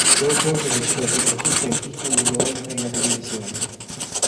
Dopo recitò soprattutto in piccoli ruoli per la televisione.